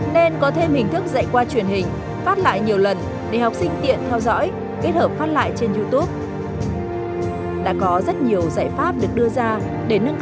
nên có thêm hình thức dạy qua truyền hình phát lại nhiều lần